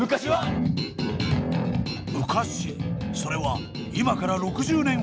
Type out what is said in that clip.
昔それは今から６０年ほど前。